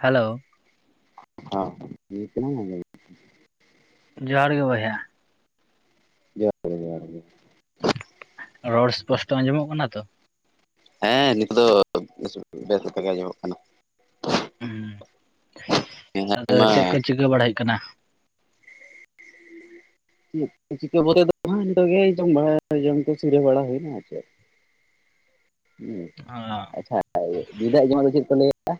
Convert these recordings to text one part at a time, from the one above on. hello [unintelligible] ᱡᱚᱦᱟᱨ ᱜᱮ ᱵᱚᱭᱦᱟ ᱡᱚᱦᱟᱨ ᱜᱮ ᱡᱚᱦᱟᱨ ᱜᱮ ᱨᱚᱲ ᱯᱚᱥᱴᱚ ᱟᱸᱡᱚᱢᱚᱜ ᱠᱟᱱᱟ ᱛᱚ ᱦᱮᱸ ᱱᱤᱛᱚᱜ ᱫᱚ ᱵᱮᱥ [unintelligible] ᱜᱮ ᱟᱸᱡᱚᱢᱚᱜ ᱠᱟᱱᱟ ᱦᱮᱸ ᱟᱫᱚ ᱢᱟ ᱪᱮᱫ ᱠᱚ ᱪᱤᱠᱟᱹ ᱵᱟᱲᱟ ᱦᱩᱭᱩᱜ ᱠᱟᱱᱟ [inaudible] [inaudible] [unintelligible] [inaudible] [unintelligible] ᱟᱨ ᱪᱮᱫ [inaudible] ᱚ, ᱟᱪᱪᱷᱟ [unintelligible] ᱫᱚ ᱪᱮᱫ ᱠᱚ ᱞᱟᱹᱭᱟ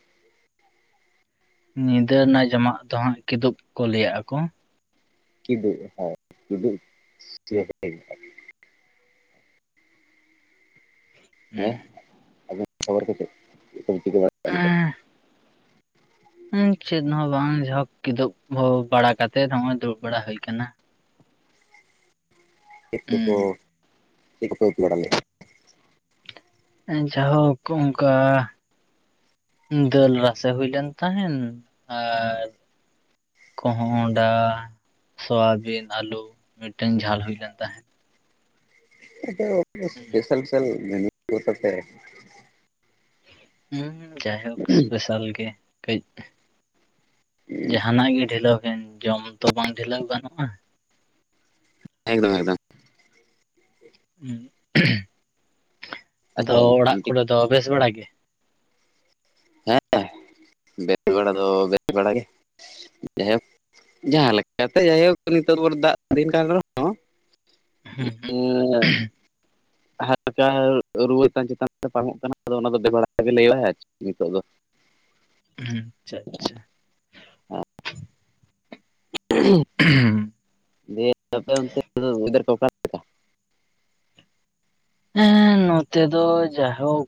ᱧᱤᱫᱟᱹ ᱨᱮᱱᱟᱜ ᱡᱚᱢᱟᱜ ᱫᱚ ᱦᱟᱸᱜ ᱠᱤᱫᱩᱵ ᱠᱚ ᱞᱟᱹᱭᱟᱜᱼᱟ ᱠᱚ [unintelligible] ᱠᱤᱫᱩᱵ [inaudible] [inaudible] ᱦᱮᱸ ᱪᱮᱫ ᱦᱚᱸ ᱵᱟᱝ ᱡᱚᱠ ᱠᱤᱫᱩᱵ ᱵᱟᱲᱟ ᱠᱟᱛᱮᱜ ᱦᱚᱸᱜᱚᱭ ᱫᱩᱲᱩᱵ ᱵᱟᱲᱟ ᱦᱩᱭ ᱟᱠᱟᱱᱟ ᱦᱩᱸ, ᱠᱚ ᱠᱚ ᱵᱟ [inaudible] ᱡᱟᱭ ᱦᱳᱠ ᱚᱱᱠᱟ ᱫᱟᱹᱞ ᱨᱟᱥᱮ ᱦᱩᱭ ᱞᱮᱱ ᱛᱟᱦᱮᱱ ᱟᱨ ᱠᱚᱸᱦᱚᱸᱰᱟ ᱥᱚᱣᱟᱵᱤᱱ ᱟᱹᱞᱩ ᱢᱤᱫᱴᱮᱱ ᱡᱷᱟᱞ ᱦᱩᱭ ᱞᱮᱱ ᱛᱟᱦᱮᱸᱫ ᱥᱯᱮᱥᱟᱞ ᱦᱮᱸ ᱡᱟᱭᱦᱳᱠ ᱥᱯᱮᱥᱟᱞ ᱜᱮ ᱠᱟᱹᱡ ᱡᱟᱦᱟᱱᱟᱜ ᱜᱮ ᱰᱷᱤᱞᱟᱹᱣ ᱠᱤᱱ ᱡᱚᱢ ᱛᱚ ᱵᱟᱝ ᱰᱷᱤᱞᱟᱹᱣ ᱜᱟᱱᱚᱜᱼᱟ ᱮᱠᱫᱚᱢ ᱮᱠᱫᱚᱢ ᱦ [inaudible] ᱟᱪᱪᱷᱟ ᱟᱫᱚ ᱚᱲᱟᱜ ᱠᱚᱨᱮ ᱫᱚ ᱵᱮᱥ ᱵᱟᱲᱟ ᱜᱮ ᱦᱮᱸ ᱵᱮ [inaudible] ᱵᱮᱲᱟ ᱫᱚ ᱵ [inaudible] ᱵᱟᱲᱟ ᱜᱮ ᱡᱟᱭᱦᱳᱠ ᱡᱟᱦᱟᱸ ᱞᱮᱠᱟᱛᱮ ᱡᱟᱭᱦᱳᱠ ᱱᱤᱛᱚᱜ ᱵᱷᱳᱨ [inaudible] ᱫᱟᱜ ᱫᱤᱱ ᱠᱟᱱ ᱨᱮᱦᱚᱸ ᱦᱩᱸ ᱮ [unintelligible] ᱦᱟᱞᱠᱟ ᱨᱩᱣᱟᱹ ᱪᱟᱱ ᱪᱮᱛᱟᱱ ᱨᱮ ᱵᱟᱝᱟᱢᱚᱜ [inaudible] ᱠᱟᱱᱟ ᱟᱫᱚ ᱚᱱᱟ ᱫᱚ ᱵᱮᱵᱟᱨ ᱜᱮᱮ ᱞᱟᱹᱭ ᱵᱟᱲᱟᱭᱟ ᱟᱨ ᱱᱤᱛᱚᱜ ᱫᱚ ᱦ [inaudible] ᱟᱪᱪᱷᱟ ᱟᱪᱪᱷᱟ ᱦᱮᱸ [unintelligible] [unintelligible] ᱦᱮᱸ ᱱᱚᱛᱮ ᱫᱚ ᱡᱟᱭᱦᱳᱠ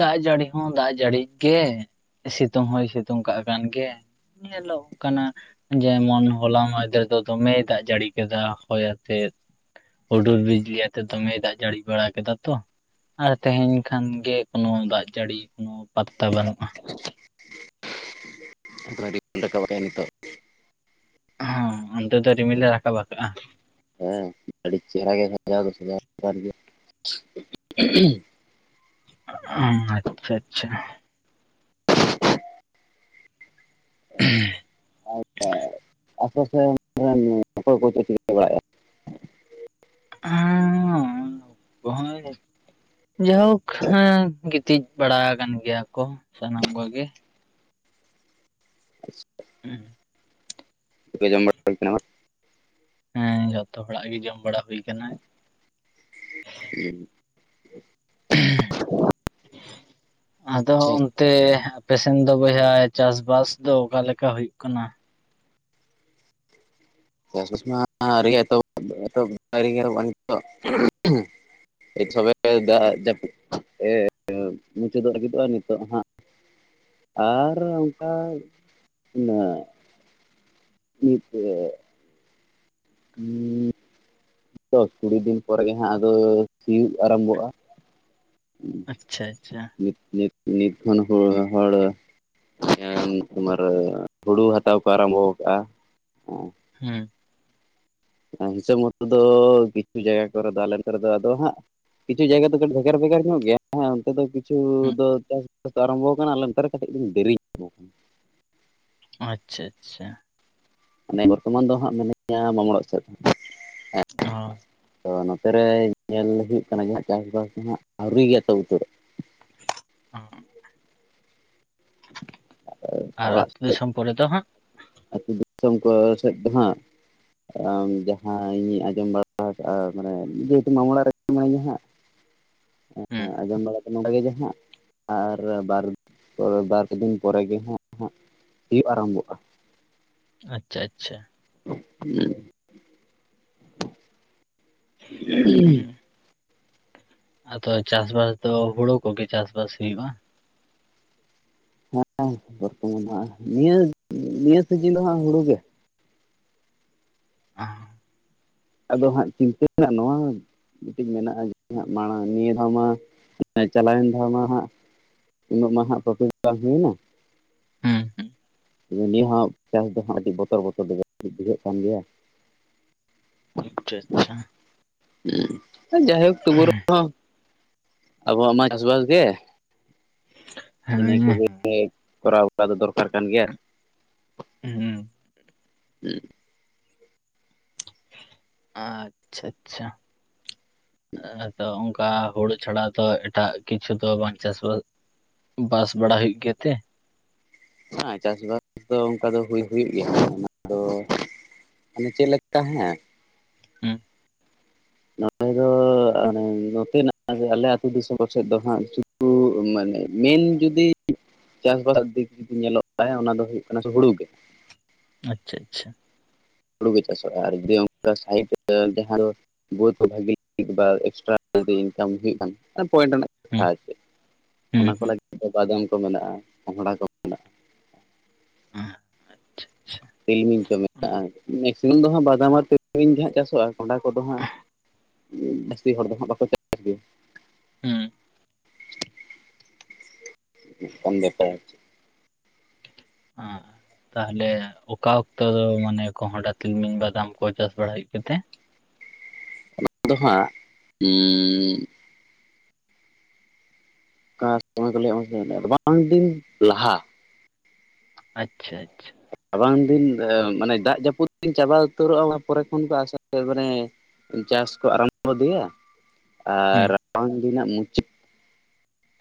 ᱫᱟᱜ ᱡᱟᱹᱲᱤ ᱦᱚᱸ ᱫᱟᱜ ᱡᱟᱹᱲᱤ ᱜᱮ ᱥᱤᱛᱩᱝ ᱦᱚᱸᱭ ᱥᱤᱛᱩᱝ ᱠᱟᱜ ᱠᱟᱱ ᱜᱮ ᱧᱮᱞᱚᱜ ᱠᱟᱱᱟ ᱡᱮᱢᱚᱱ ᱦᱚᱞᱟ ᱢᱟᱭᱫᱮᱨ ᱫᱚ ᱫᱚᱢᱮᱭ ᱫᱟᱜ ᱡᱟᱹᱲᱤ ᱠᱮᱫᱟ ᱦᱚᱭ ᱟᱛᱮ ᱦᱩᱰᱩᱨ ᱵᱤᱡᱽᱞᱤ ᱟᱛᱮ ᱫᱚᱢᱮ ᱫᱟᱜ ᱡᱟᱹᱲᱤ ᱵᱟᱲᱟ ᱠᱮᱫᱟ ᱛᱚ ᱟᱨ ᱛᱮᱦᱮᱧ ᱠᱷᱟᱱ ᱜᱮ ᱠᱳᱱᱚ ᱫᱟᱜ ᱡᱟᱹᱲᱤ ᱠᱳᱱᱳ ᱯᱟ ᱟ ᱵᱟᱹᱱᱩᱜᱼᱟ ᱠᱟᱟᱱᱤᱛ [unintelligible] ᱦᱚᱸ ᱚᱱᱛᱮ ᱫᱚ ᱨᱤᱢᱤᱞ ᱞᱮ ᱨᱟᱠᱟᱵ ᱟᱠᱟᱜᱼᱟ ᱦᱮᱸ ᱟᱹᱰᱤ ᱪᱮᱦᱨᱟ ᱜᱮ [unintelligible] ᱚ ᱟᱪᱪᱷᱟ ᱟᱪᱪᱷᱟ ᱦᱮᱸ [unintelligible] ᱟᱥᱮ ᱯᱟᱥᱮ ᱚᱠᱚᱭ ᱠᱚ ᱪᱮᱫ ᱠᱚ ᱪᱤᱠᱟᱹ ᱵᱟᱲᱟᱭᱼᱟ ᱚ ᱵᱭ [unintelligible] ᱡᱟᱭᱦᱳᱠ ᱦᱮᱸ ᱜᱤᱛᱤᱡ ᱵᱟᱲᱟ ᱟᱠᱟᱱ ᱜᱮᱭᱟ ᱠᱚ ᱥᱟᱱᱟᱢ ᱠᱚᱜᱮ ᱦᱮᱸ [inaudible] ᱛᱮ ᱡᱚᱢ ᱵᱟᱤ ᱟᱟᱨ [unintelligible] ᱦᱮᱸ ᱡᱚᱛᱚ ᱦᱚᱲᱟᱜ ᱜᱮ ᱡᱚᱢ ᱵᱟᱲᱟ ᱦᱩᱭ ᱠᱟᱱᱟ ᱟᱫᱚ ᱟᱪᱪᱷᱟ ᱚᱱᱛᱮ ᱯᱮᱥᱮᱱ ᱫᱚ ᱵᱚᱭᱦᱟ ᱪᱟᱥᱵᱟᱥ ᱫᱚ ᱚᱠᱟ ᱞᱮᱠᱟ ᱦᱩᱭᱩᱜ ᱠᱟᱱᱟ ᱪᱟᱥᱼᱵᱟᱥ ᱢᱟ ᱟᱹᱣᱨᱤ ᱜᱮ ᱮᱛ [unintelligible] ᱮᱛ ᱱᱤᱛᱚᱜ ᱛᱚᱵᱮ ᱫᱟᱜ ᱡᱟᱹᱯᱩᱫ ᱢᱩᱪᱟᱹᱫᱚᱜ ᱞᱟᱹᱜᱤᱫᱚᱜᱼᱟ ᱱᱤᱛᱚᱜ ᱦᱟᱸᱜ ᱟᱨ ᱚᱱᱠᱟ ᱱᱪ [inaudible] ᱦᱮᱸ ᱛᱚ ᱠᱩᱲᱤ ᱫᱤᱱ ᱯᱚᱨ ᱜᱮ ᱦᱟᱸᱜ ᱟᱫᱚ ᱥᱤᱭᱳᱜ ᱟᱨᱟᱢᱵᱷᱚᱜᱼᱟ ᱟᱪᱪᱷᱟ ᱟᱪᱪᱷᱟ ᱱᱤᱛ ᱱᱤᱛ ᱱᱤᱛ ᱠᱷᱚᱱ ᱦᱚᱲ ᱛᱳᱢᱟᱨ ᱦᱩᱲᱩ ᱦᱟᱛᱟᱣ ᱠᱚ ᱟᱨᱟᱢᱵᱷᱚ ᱟᱠᱟᱟᱜ ᱦᱮᱸ ᱦᱤᱥᱟᱹᱵᱽ ᱢᱚᱛᱚ ᱫᱚ ᱠᱤᱪᱷᱩ ᱡᱟᱭᱜᱟ ᱠᱚᱨᱮ ᱫᱚ ᱟᱞᱱ ᱨᱮ ᱫᱚ ᱟᱫᱚ ᱦᱟᱸᱜ ᱠᱤᱪᱷᱩ ᱡᱟᱭᱜᱟ ᱫᱚ ᱠᱟᱹᱴᱤᱡ ᱵᱷᱮᱜᱟᱨ ᱵᱷᱮᱜᱟᱨ ᱧᱚᱜ ᱜᱮᱭᱟᱮ ᱚᱱᱛᱮ ᱫᱚ ᱠᱤᱪᱷᱩ ᱦᱩᱸ ᱫᱚ ᱪᱟᱥᱵᱟᱥ ᱫᱚ ᱟᱨᱟᱢᱵᱷᱚ ᱟᱠᱟᱱᱟ ᱟᱞᱮ ᱚᱱᱛᱮ ᱨᱮ ᱠᱟᱹᱴᱤᱡ ᱛᱩᱞᱩᱝ ᱫᱮᱨᱤ ᱧᱚᱜ ᱠᱟᱱᱟ ᱟᱪᱪᱷᱟ ᱟᱪᱪᱷᱟ ᱢᱟᱱᱮ ᱵᱚᱨᱛᱚᱢᱟᱱ ᱫᱚ ᱦᱟᱸᱜ ᱢᱤᱱᱟᱹᱧᱭᱟ ᱢᱟᱢᱚᱲ ᱥᱮᱫ ᱦᱚᱸ ᱚ ᱛᱚ ᱱᱚᱛᱮᱨᱮ ᱧᱮᱞ ᱦᱩᱭᱩᱜ ᱠᱟᱱᱟ ᱡ ᱪᱟᱥᱵᱟᱥ ᱫᱚ ᱦᱦᱟᱸᱜ ᱟᱹᱣᱨᱤ ᱜᱮᱭᱟᱛᱚ ᱩᱛᱟᱹᱨ ᱚ ᱟᱨ ᱟᱹᱛᱩᱳ ᱫᱤᱥᱚᱢ ᱯᱨᱮᱮ ᱫᱚ ᱦᱟᱸᱜ ᱟ ᱟᱹᱛᱩ ᱫᱤᱥᱚᱢ ᱠᱚ ᱥᱮᱫ ᱫᱚ ᱦᱟᱸᱜ ᱡᱟᱦᱟᱸ ᱤᱧᱤᱧ ᱟᱸᱡᱚᱢ ᱵᱟᱲᱟ ᱟᱨ ᱢᱟᱱᱮ ᱡᱮᱦᱮᱛᱩ ᱢᱟᱢᱞᱟᱟᱨ ᱨᱮ ᱢᱟᱱᱮᱟᱸᱜ ᱦᱩᱸ ᱟᱸᱡᱚᱢ ᱵᱟᱲᱟ ᱱᱚᱰᱮᱜᱮ ᱦᱟᱸᱜ ᱟᱨ ᱵᱟᱨ ᱯᱚᱨ ᱵᱟᱨᱮ ᱫᱤᱱ ᱯᱚᱨᱮᱜ ᱜᱮ ᱦᱟᱸᱜ ᱦᱟᱸᱜ ᱦᱩᱭᱩᱜᱤᱭ ᱟᱨᱟᱢᱵᱷᱚᱜᱼᱟ ᱟᱪᱪᱷᱟ ᱟᱪᱪᱷᱟ ᱦᱮᱸ ᱦᱮᱸ ᱦᱩᱸ ᱟᱫᱚ ᱪᱟᱥᱵᱟᱥ ᱫᱚ ᱦᱩᱲᱩ ᱠᱚᱜᱮ ᱪᱟᱥᱵᱟᱥ ᱦᱩᱭᱩᱜᱼᱟ ᱦᱮᱸ ᱵᱚᱨᱛᱚᱢᱟᱱ ᱦ ᱱᱤᱭᱟᱹ ᱱᱤᱭᱟᱹ ᱥᱤᱡᱤᱱ ᱫᱚ ᱦᱟᱸᱜ ᱦᱩᱲᱩ ᱜᱮ ᱟ ᱟᱫᱚ ᱦᱟᱸᱜ ᱪᱤᱱᱛᱟᱹ ᱨᱮᱱᱟᱜ ᱱᱚᱣᱟ ᱢᱤᱫᱴᱤᱡ ᱢᱮᱱᱟᱜᱼᱟ ᱡᱮ ᱦᱟᱸᱜ ᱢᱟᱲᱟᱝ ᱱᱤᱭᱟᱹ ᱫᱷᱟᱣ ᱢᱟ ᱪᱟᱞᱟᱣᱮᱱ ᱫᱷᱟ ᱢᱟ ᱦᱟᱸᱜ ᱩᱱᱟᱹᱜ ᱢ ᱦᱟᱜ ᱯᱨᱚᱛᱤ ᱦᱩᱭᱱᱟ ᱦᱩᱸ ᱦᱩᱸ ᱱᱤᱭᱟᱹ ᱦᱚᱸ ᱪᱟᱥ ᱫᱚᱦᱜ ᱟᱹᱰᱤ ᱵᱚᱛᱚᱨ ᱵᱚᱛᱚᱨ ᱫᱚ ᱵᱩᱡᱷᱟᱹᱜ ᱠᱟᱱ ᱜᱮᱭᱟ ᱟᱪᱪᱷᱟ ᱟᱪᱪᱷᱟ ᱦ ᱡᱟᱦᱮ ᱚᱠᱴᱚᱵᱚᱨ ᱨᱮᱦ ᱦᱚᱸ ᱟᱵᱚᱣᱟᱜ ᱢᱟ ᱪᱟᱥᱵᱟᱥ ᱜᱮ ᱦᱮᱸ ᱤᱱᱟ ᱠᱚ ᱠᱚᱨᱟᱣ ᱫᱚᱠ ᱟᱨ ᱠᱟᱱ ᱜᱮᱭᱟ ᱦ ᱦᱮᱸ ᱟᱪᱪᱷᱟ ᱟᱪᱪᱷᱟᱚ ᱚᱱᱠᱟ ᱵᱟ ᱦᱩᱲᱩ ᱪᱷᱟᱲᱟ ᱛᱚ ᱮᱴᱟᱜ ᱠᱤᱪᱷᱩ ᱫᱚᱚ ᱵᱟᱝ ᱪᱟᱥᱵᱟᱥ ᱵᱟᱥ ᱵᱟᱲᱟ ᱦᱩᱭᱩᱜ ᱜᱮᱭᱟᱛᱮ ᱦᱮᱸ ᱪᱟᱥᱵᱟᱥ ᱫᱚ ᱚᱱᱠᱟ ᱫᱚ ᱦᱩᱭ ᱦᱩᱭᱩᱜ ᱜᱮᱭᱟ ᱚᱱᱟ ᱫᱚ ᱢᱟᱱᱮ ᱪᱮᱫ ᱞᱮᱠᱟ ᱦᱮᱸ ᱦᱮᱸ ᱱᱚᱸᱰᱮ ᱫᱚ ᱮ ᱱᱚᱛᱮᱱᱟᱜ ᱟᱞᱮ ᱟᱹᱛᱩ ᱫᱤᱥᱚᱢ ᱠᱚ ᱥᱮᱫ ᱫᱚ ᱦᱟᱸᱜ ᱠᱩ ᱢᱟᱱᱮ ᱢᱮᱱ ᱡᱩᱫᱤ ᱪᱟᱥᱼᱵᱟᱥ ᱫᱤᱠ ᱡᱩᱫᱤ ᱧᱮᱞᱚᱜ ᱠᱷ ᱚᱱᱟ ᱫᱚ ᱦᱩᱭᱩᱜ ᱠᱟᱱᱟ ᱦᱩᱲᱩ ᱜᱮ ᱟᱪᱪᱷᱟ ᱟᱪᱪᱷᱟ ᱦᱩᱲᱩ ᱠᱚᱮ ᱪᱟᱥᱚᱜᱼᱟ ᱟᱨ ᱡᱩᱤ ᱥᱟᱭᱤᱰ ᱡᱟᱦᱟᱸ ᱫᱚ ᱵᱫ ᱵᱷᱟᱜᱤ ᱞᱟᱹᱜᱤᱫ ᱮᱠᱴᱨᱟ ᱡᱤ ᱤᱱᱠᱟᱢ ᱦᱩᱭᱩᱜ ᱠᱷᱟᱱ ᱯᱚᱭᱮᱱᱴ ᱨᱮᱱᱟᱜ ᱠᱟᱛᱷᱟ ᱦᱩᱸ ᱟᱨ ᱪᱮᱫ ᱦᱩᱸ ᱚᱱᱟ ᱠᱚ ᱦᱩᱸ ᱞᱟᱹᱜᱤᱫ ᱵᱟᱫ ᱠᱚ ᱢᱮᱱᱟᱜᱼᱟ ᱯᱝᱲᱟ ᱠᱚ ᱢᱮᱱᱟᱜᱼᱟ ᱛᱤᱞᱢᱤᱧ ᱠᱚ ᱦᱩᱸ ᱢᱮᱛᱟᱜᱼᱟ ᱢᱮᱥᱤᱢᱟᱢ ᱫᱚ ᱦᱟᱸᱜ ᱵᱟᱫᱟᱢ ᱟᱨ ᱛᱤᱞᱢᱤᱧ ᱜᱮ ᱦᱟᱸᱜ ᱪᱟᱥᱚᱜᱼᱟ ᱠᱚᱸᱰᱰᱟ ᱠᱚᱫᱚ ᱦᱟᱸᱜ ᱡᱟᱹᱥᱛᱤ ᱦᱚᱲ ᱫᱚ ᱦᱟᱸᱜ ᱵᱟᱠᱚ ᱪᱟᱥᱟᱥ ᱜᱮᱭᱟ ᱦᱮᱸ ᱠᱷᱚᱱ ᱵᱮᱯᱟᱨ ᱟᱨ ᱛᱟᱦᱚᱞᱮ ᱚᱠᱟ ᱚᱠᱛᱚ ᱫᱚ ᱢᱟᱱᱮ ᱠᱚᱦᱚᱸᱰᱟ ᱛᱤᱞᱢᱤᱧ ᱵᱟᱫᱟᱢ ᱠᱚ ᱪᱟᱥ ᱵᱟᱲᱟ ᱦᱩᱭᱩᱜ ᱠᱟᱛᱮ [inaudible] ᱫᱚ ᱦᱟᱸᱜ ᱥᱚᱭ ᱠᱚ ᱞᱵᱟᱝ ᱫᱤᱱ ᱞᱟᱦᱟ ᱟᱪᱪᱷᱟ ᱟᱪᱪᱷᱟ ᱨᱟᱵᱟᱝ ᱫᱤᱱ ᱢᱟᱱᱮ ᱫᱟᱜ ᱡᱟᱹᱯᱩᱫ ᱫᱤᱱ ᱪᱟᱵᱟ ᱩᱛᱟᱹᱨᱚᱜᱼᱟ ᱚᱱᱟ ᱯᱚᱨᱮ ᱠᱷᱚᱱ ᱠᱚ ᱟᱥᱟ ᱢᱟᱱᱮ ᱪᱟᱥ ᱠᱚ ᱟᱨᱟᱢ ᱟᱫᱮᱭᱟ ᱟᱨ ᱦᱩᱸ ᱨᱟᱵᱟᱝ ᱫ ᱨᱮᱱᱟᱜ ᱢᱩᱪᱟᱹᱫ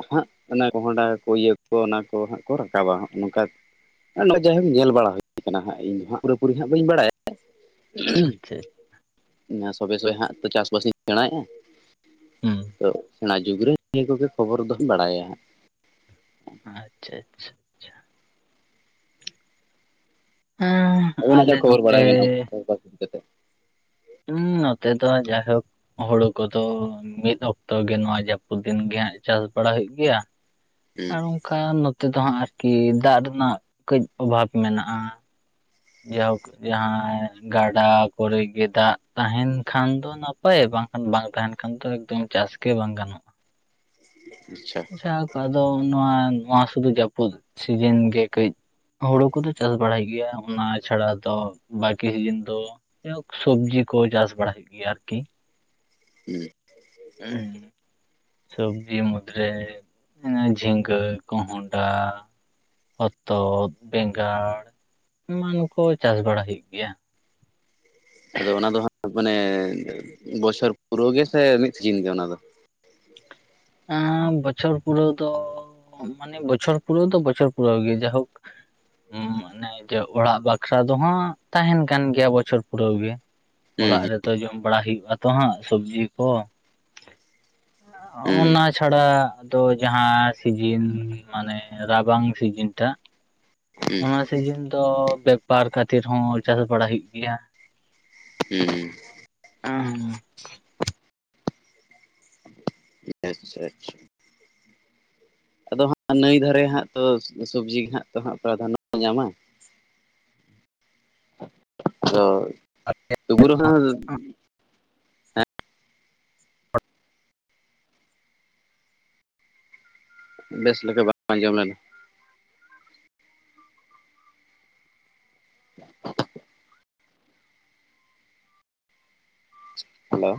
ᱦᱟᱸᱜ ᱚᱱᱟ ᱠᱚᱦᱰᱟ ᱠᱚ ᱤᱭᱟᱹ ᱠᱚ ᱚᱱᱟ ᱠᱚ ᱦᱟᱸᱜ ᱠᱚ ᱨᱟᱠᱟᱵᱟᱜ ᱱᱚᱝᱠᱟ ᱱᱚᱜ ᱡᱟᱭᱦᱳᱠ ᱧᱮᱞ ᱵᱟᱲᱟ ᱦᱩᱭ ᱠᱟᱱᱟ ᱦᱟᱸᱜ ᱤᱧ ᱫᱚ ᱦᱟᱸᱜ ᱯᱩᱨᱟᱹᱯᱩᱨᱤ ᱦᱟᱸᱜ ᱵᱟᱹᱧ ᱵᱟᱲᱟᱭᱟ ᱟᱪᱪᱷᱟ ᱚᱱᱟ ᱥᱚᱵᱮ ᱥᱚᱭ ᱦᱜ ᱛᱚ ᱪᱟᱥᱵᱥᱤᱧ ᱥᱮᱬᱟᱭᱮᱜᱼᱟ ᱦᱩᱸ ᱛᱚ ᱥᱮᱬᱟ ᱡᱩᱜᱽ ᱨᱮ ᱱᱤᱭᱟᱹ ᱠᱚᱜᱮ ᱠᱷᱚᱵᱚᱨ ᱫᱚᱧ ᱵᱟᱲᱟᱭᱟ ᱦᱟᱸᱜ ᱟᱪᱪᱷᱟ ᱟᱪᱪᱷᱟ ᱟᱪᱪᱷᱟ ᱦᱮᱸ ᱟᱹᱵᱤᱱᱟᱜ ᱞᱮ ᱟᱞᱮ ᱠᱷᱚᱵᱚᱨ ᱱᱚᱛᱮ ᱵᱟᱲᱟᱭ ᱢᱮᱱᱟᱜᱼᱟᱚᱱ ᱠᱟᱛᱮᱮᱫ ᱦᱮᱸ ᱱᱚᱛᱮ ᱫᱚ ᱡᱟᱭᱦᱳᱠ ᱦᱩᱲᱩ ᱠᱚᱫᱚ ᱢᱤᱫ ᱚᱠᱛᱚ ᱜᱮ ᱱᱚᱣᱟ ᱡᱟᱹᱯᱩᱫ ᱫᱤᱱ ᱜᱮ ᱪᱟᱥ ᱵᱟᱲᱟ ᱦᱩᱭᱩᱜ ᱜᱮᱭᱟ ᱦᱩᱸ ᱟᱨ ᱚᱱᱠᱟ ᱱᱚᱛᱮ ᱫᱚ ᱦᱟᱸᱜ ᱟᱨᱠᱤ ᱫᱟᱜ ᱨᱮᱱᱟᱜ ᱠᱟᱹᱡ ᱚᱵᱷᱟᱵ ᱢᱮᱱᱟᱜᱼᱟ ᱡᱟᱭᱦᱳᱠ ᱡᱟᱦᱟᱸᱟᱭ ᱜᱟᱰᱟ ᱠᱚᱨᱮᱜ ᱜᱮ ᱫᱟᱜ ᱛᱟᱦᱮᱱ ᱠᱷᱟᱱ ᱫᱚ ᱱᱟᱯᱟᱭ ᱵᱟᱝ ᱵᱟᱝᱠᱷᱟᱱ ᱵᱟᱝ ᱛᱟᱦᱮᱱ ᱠᱷᱟᱱ ᱫᱚ ᱮᱠᱫᱚᱢ ᱪᱟᱥ ᱜᱮ ᱵᱟᱝ ᱜᱟᱱᱚᱜᱼᱟ ᱟᱪᱪᱷᱟ ᱡ ᱟᱫᱚ ᱱᱚᱣᱟ ᱱᱚᱣᱟ ᱥᱩᱫᱩ ᱡᱟᱹᱯᱩᱫ ᱥᱤᱡᱤᱱ ᱜᱮ ᱠᱟᱹᱡ ᱦᱩᱲᱩ ᱠᱚᱫᱚ ᱪᱟᱥ ᱵᱟᱲᱟᱭ ᱜᱮᱭᱟ ᱚᱱᱟ ᱪᱷᱟᱲᱟ ᱫᱚ ᱵᱠᱤ ᱥᱤᱡᱤᱱ ᱫᱚ ᱡᱦ ᱥᱚᱵᱡᱤ ᱠᱚ ᱪᱟᱥ ᱵᱟᱲᱟᱭᱮᱫ ᱜᱮᱭᱟ ᱟᱨᱠᱤ ᱦᱮᱸ ᱥᱚᱵᱡᱤ ᱢᱩᱫᱽᱨᱮ ᱡᱷᱤᱸᱜᱟᱹ ᱠᱚᱦᱚᱱᱰᱟ ᱦᱚᱛᱚᱫ ᱵᱮᱸᱜᱟᱲ ᱮᱢᱟᱱ ᱠᱚ ᱪᱟᱥ ᱵᱟᱲᱟ ᱦᱩᱭᱩᱜ ᱜᱮᱭᱟ ᱟᱫᱚ ᱚᱱᱟ ᱫᱚ ᱢᱟᱱᱮ ᱵᱚᱪᱷᱚᱨ ᱯᱩᱨᱟᱹᱜ ᱜᱮᱥᱮ ᱢᱤᱫ ᱥᱤᱡᱤᱱ ᱜᱮ ᱚᱱᱟ ᱫᱚ ᱮ ᱵᱚᱪᱷᱚᱨ ᱯᱩᱨᱟᱹ ᱫᱚ ᱢᱟᱱᱮ ᱵᱚᱪᱷᱚᱨ ᱯᱩᱨᱟᱹᱣ ᱛᱚ ᱵᱚᱪᱷᱚᱨ ᱯᱩᱨᱟᱹᱣ ᱜᱮ ᱡᱟᱭᱦᱳᱠ ᱦᱮᱸ ᱢᱟᱱᱮ ᱡᱮ ᱚᱲᱟᱜ ᱵᱟᱠᱷᱨᱟ ᱫᱚᱦ ᱛᱟᱦᱮᱱ ᱠᱟᱱ ᱜᱮᱭᱟ ᱵᱚᱪᱷᱚᱨ ᱯᱩᱨᱟᱹᱣ ᱜᱮ ᱚᱲᱟᱜ ᱦᱩᱸ ᱦᱩᱸ ᱨᱮᱛᱚ ᱡᱚᱢ ᱵᱟᱲᱟ ᱦᱩᱭᱩᱜ ᱟᱛᱚ ᱦᱟᱸᱜ ᱥᱚᱵᱡᱤ ᱠᱚ ᱚᱱᱟ ᱪᱷᱟᱲᱟ ᱟᱫᱚ ᱡᱟᱦᱟᱸ ᱥᱤᱡᱤᱱ ᱢᱟᱱᱮ ᱨᱟᱵᱟᱝ ᱥᱤᱡᱤᱱ ᱴᱟᱜ ᱦᱩᱸ ᱚᱱᱟ ᱥᱤᱡᱤᱱ ᱫᱚ ᱵᱮᱯᱟᱨ ᱠᱷᱟᱹᱛᱤᱨ ᱦᱚᱸ ᱪᱟᱥ ᱵᱟᱲᱟ ᱦᱩᱭᱩᱜ ᱜᱮᱭᱟ ᱦᱮᱸ ᱦ ᱦᱮᱸ ᱟᱪᱪᱷᱟ ᱟᱪᱪᱷᱟ ᱟᱫᱚ ᱦᱟᱸᱜ ᱱᱟᱹᱭ ᱫᱷᱟᱨᱮ ᱦᱟᱸᱜ ᱛᱚ ᱥᱚᱵᱽᱡᱤ ᱜᱮ ᱦᱟᱸᱜ ᱛᱚ ᱦᱟᱸᱜ ᱯᱨᱟᱫᱷᱟᱱᱱᱚ ᱧᱟᱢᱟ ᱟᱨ ᱛ ᱛ ᱯᱩᱨ ᱦ ᱵᱮᱥ ᱞᱮᱠᱟ ᱵᱟᱝ ᱟᱸᱡᱚᱢ ᱞᱮᱱᱟ [inaudible] ᱦᱮᱞᱳ